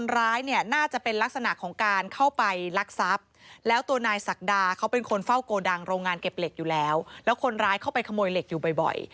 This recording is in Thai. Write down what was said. รองงานเก็บเหล็กอยู่แล้วแล้วคนร้ายเข้าไปขโมยเหล็กอยู่บ่อย